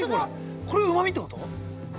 これがうまみってこと？